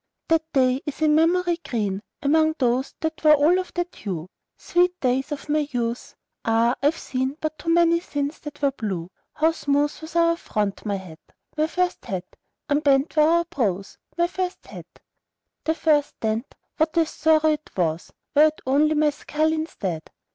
That day is in memory green Among those that were all of that hue; Sweet days of my youth! Ah! I've seen But too many since that were blue. How smooth was our front, my hat, My first hat! Unbent were our brows, my first hat! The first dent, what a sorrow it was! Were it only my skull instead!